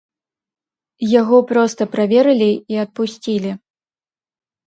Яго проста праверылі і адпусцілі.